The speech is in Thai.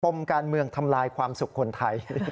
มการเมืองทำลายความสุขคนไทย